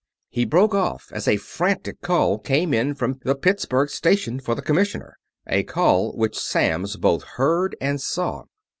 He broke off as a frantic call came in from the Pittsburgh station for the Commissioner; a call which Samms both heard and saw.